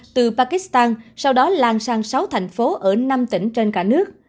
từ pakistan sau đó lan sang sáu thành phố ở năm tỉnh trên cả nước